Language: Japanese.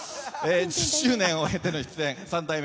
１０周年を経ての出演三代目